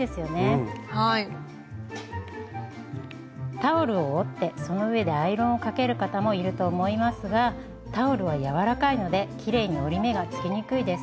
タオルを折ってその上でアイロンをかける方もいると思いますがタオルは柔らかいのできれいに折り目がつきにくいです。